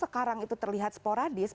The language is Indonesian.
tapi kalau sekarang itu terlihat sporadis